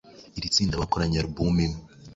Iri tsinda bakoranye album imwe